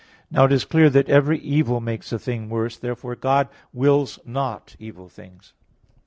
Now it is clear that every evil makes a thing worse. Therefore God wills not evil things.